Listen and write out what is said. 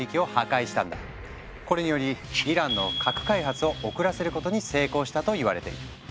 これによりイランの核開発を遅らせることに成功したといわれている。